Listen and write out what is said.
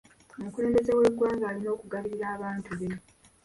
Omukulembeze w'eggwanga alina okugabirira abantu be.